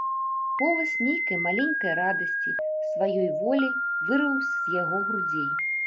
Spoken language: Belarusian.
Голас нейкай маленькай радасці сваёю воляй вырваўся з яго грудзей.